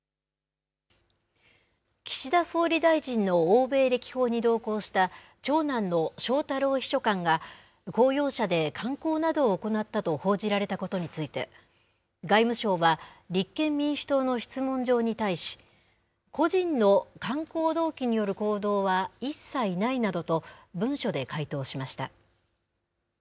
岸田総理大臣の欧米歴訪に同行した長男の翔太郎秘書官が、公用車で観光などを行ったと報じられたことについて、外務省は立憲民主党の質問状に対し、個人の観光動機による行動は一切ないなどと、文書で回答しました。